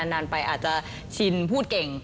นานไปอาจจะชินพูดเก่ง